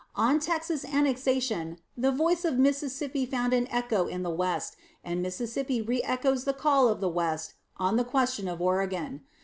On Texas annexation the voice of Mississippi found an echo in the West, and Mississippi reëchoes the call of the West on the question of Oregon.